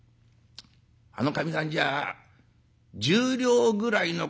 あのかみさんじゃあ１０両ぐらいのことは言うか。